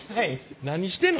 何してんの？